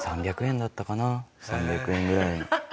３００円ぐらい。